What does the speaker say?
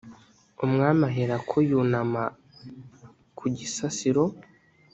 umwami aherako yunama ku gisasiro